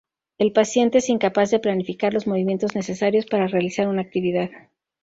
El paciente es incapaz de planificar los movimientos necesarios para realizar una actividad.